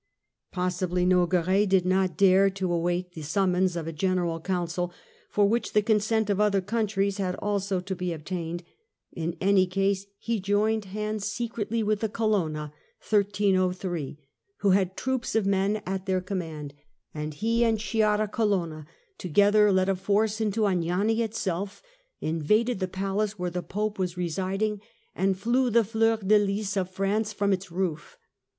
Possibly Pope at Nogaret did not dare to await the summons of a General AuagiV" Council, for which the consent of other countries had 1303 also to be obtained ; in any case he joined hands secretly FRENCH HISTORY, 1273 1328 59 with the Colonna, who had troops of men at their com mand, and he and Sciarra Colonna together led a force into Anagni itself, invaded the palace where the Pope was re siding, and flew the Fleur de Lys of France from its roof.